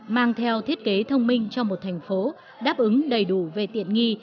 mang theo thiết kế thông minh cho một thành phố đáp ứng đầy đủ về tiện nghi